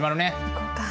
行こうか。